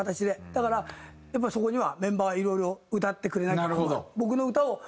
だからやっぱりそこにはメンバーいろいろ歌ってくれなきゃ困る。